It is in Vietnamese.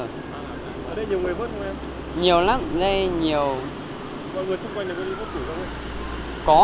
có thể dùng để bỏ lỡ